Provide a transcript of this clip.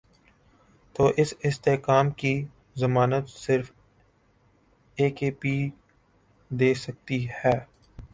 تو اس استحکام کی ضمانت صرف اے کے پی دے سکتی ہے۔